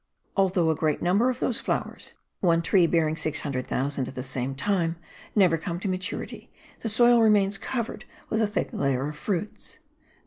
Although a great number of those flowers (one tree bearing 600,000 at the same time) never come to maturity,* the soil remains covered with a thick layer of fruits.